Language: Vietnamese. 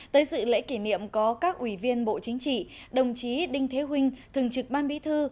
tới dự lễ kỷ niệm có các ủy viên bộ chính trị đồng chí đinh thế huynh thường trực ban bí thư